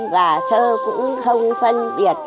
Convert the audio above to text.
và sơ cũng không phân biệt